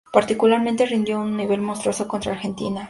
Particularmente, rindió a un nivel monstruoso contra Argentina.